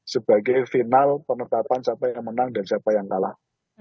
sebagai final penetapan siapa yang menang dan siapa yang kalah